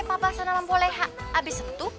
papasan dalam boleha abis itu